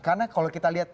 karena kalau kita lihat